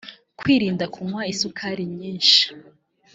kwirinda kunywa isukari nyisnhi